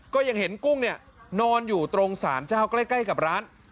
ก็ยังเห็นกุ้งเนี่ยนอนอยู่ตรงสารเจ้าใกล้กับร้าน